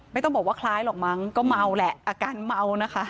ไม่ต้องบอกว่าคล้ายหรอกมั้งก็เมาแหละอาการเมานะคะ